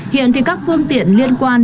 hiện thì các phương tiện liên quan